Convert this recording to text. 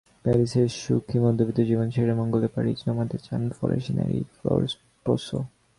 প্যারিসের সুখী মধ্যবিত্ত জীবন ছেড়ে মঙ্গলে পাড়ি জমাতে চান ফরাসি নারী ফ্লোরন্স পোর্সো।